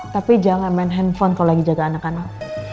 tapi jangan main handphone kalau lagi jaga anak anak